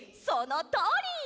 そのとおり！